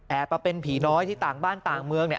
มาเป็นผีน้อยที่ต่างบ้านต่างเมืองเนี่ย